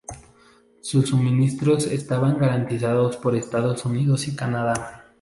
Sus suministros estaban garantizados por Estados Unidos y Canadá.